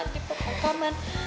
di pokok kaman